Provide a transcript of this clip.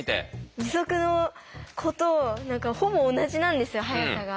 義足の子とほぼ同じなんですよ速さが。